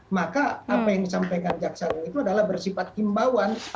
maka apa yang disampaikan jaksaku itu adalah bersifat kimbauan